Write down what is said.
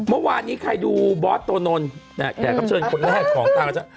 เมื่อวานนี้ใครดูบอสโตนนนเนี่ยแขกรับเชิญคนแรกของตาลักษณะ